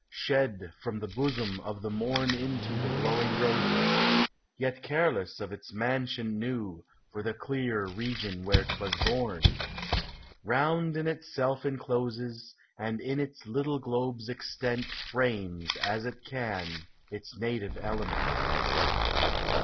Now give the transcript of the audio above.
Shed from the bosom of the morn Into the blowing roses, (Yet careless of its mansion new For the clear region where 't was born) Round in itself encloses, And in its little globe's extent Frames, as it can, its native element.